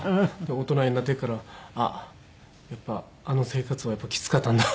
大人になってからあっやっぱあの生活はきつかったんだ。